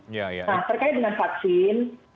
nah terkait dengan vaksin